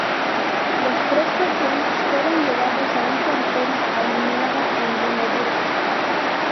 Los tres personas fueron llevados a un cuartel aliado en Luneburgo.